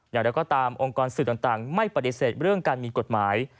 อย่างไรก็ตามองค์กรสื่อต่างไม่ปฏิเสธเรื่องการมีกฎหมาย